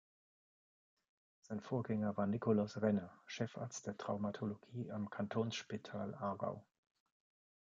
Sein Vorgänger war Nikolaus Renner, Chefarzt der Traumatologie am Kantonsspital Aarau.